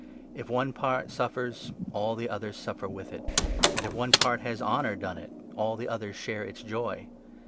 If one part suffers, all the others suffer with it, and 26 if one part has honour done it, all the others share its joy.